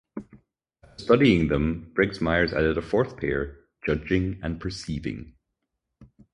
After studying them, Briggs Myers added a fourth pair, Judging and Perceiving.